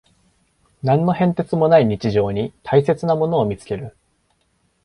何の変哲もない日常に大切なものを見つける